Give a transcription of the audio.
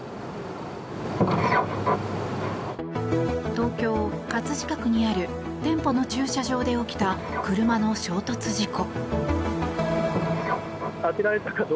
東京・葛飾区にある店舗の駐車場で起きた車の衝突事故。